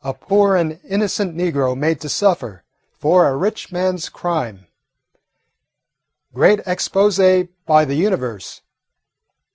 A Poor and Innocent Negro made to Suffer for a Rich Man's Crime! Great Expose by the 'Universe'!